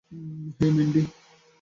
হেই, Mandy?